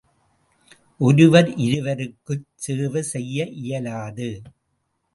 ஒருவர், இருவருக்குச் சேவை செய்ய இயலாது.